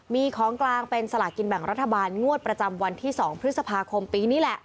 มีของกลางเป็นสลากินแบ่งรัฐบาลงวดประจำวันที่๒พฤษภาคมปีนี้แหละ